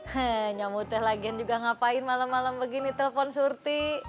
heh nyomud teh lagian juga ngapain malam malam begini telepon surti